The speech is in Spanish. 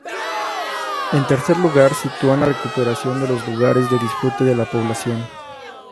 En tercer lugar sitúan la recuperación de los lugares de disfrute de la población.